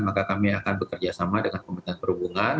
maka kami akan bekerja sama dengan pemerintahan perhubungan